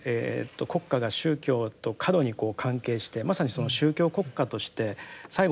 国家が宗教と過度にこう関係してまさにその宗教国家として最後戦争に入っていったと。